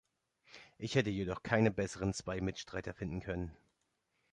Ich hätte jedoch keine besseren zwei Mitstreiter finden können.